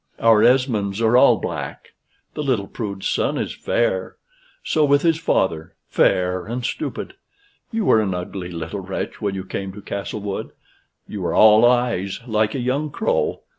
Our Esmonds are all black. The little prude's son is fair; so was his father fair and stupid. You were an ugly little wretch when you came to Castlewood you were all eyes, like a young crow.